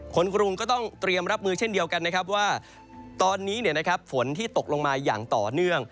กรุงก็ต้องเตรียมรับมือเช่นเดียวกันนะครับว่าตอนนี้ฝนที่ตกลงมาอย่างต่อเนื่อง